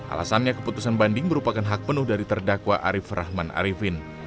alasannya keputusan banding merupakan hak penuh dari terdakwa arief rahman arifin